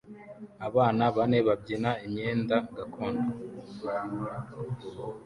Abana bane babyina imyenda gakondo